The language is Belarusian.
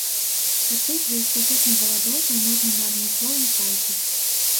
Сачыць за эстафетнай галадоўкай можна на адмысловым сайце